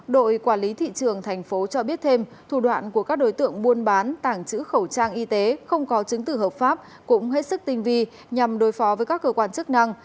đội quản lý thị trường thành phố cho biết thêm thủ đoạn của các đối tượng buôn bán tàng trữ khẩu trang y tế không có chứng tử hợp pháp cũng hết sức tinh vi nhằm đối phó với các cơ quan chức năng